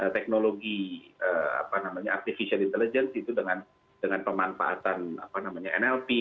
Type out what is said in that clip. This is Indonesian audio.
teknologi apa namanya artificial intelligence itu dengan pemanfaatan nlp